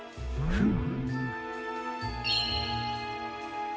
うん！